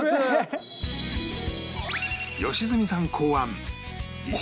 良純さん考案